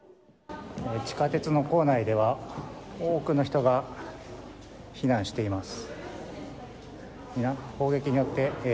地下鉄の構内では多くの人が避難しています。